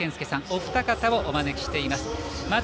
お二方をお招きしています。